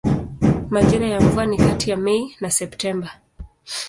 Majira ya mvua ni kati ya Mei na Septemba.